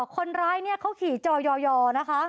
คนร้ายเนี่ยเขาขี่จอยอนะคะ